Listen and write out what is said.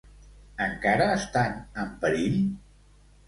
Encara estan en perill?